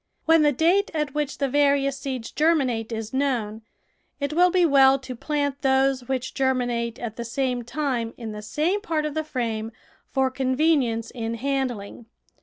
When the date at which the various seeds ger minate is known, it will be well to plant those which germinate at the same time in the same part of the frame for convenience in handling.